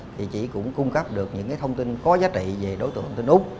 thì chị cũng cung cấp được những thông tin có giá trị về đối tượng tên úc